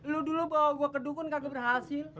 lo dulu bawa gue ke dukun gak keberhasil